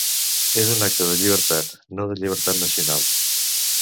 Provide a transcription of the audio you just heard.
És un acte de llibertat, no de llibertat nacional.